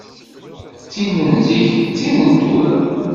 D tin n zik, d tin n tura.